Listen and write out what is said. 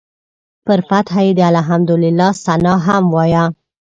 پر فتحه یې د الحمدلله ثناء هم وایه.